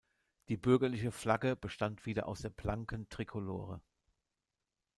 Die bürgerliche Flagge bestand wieder aus der blanken Trikolore.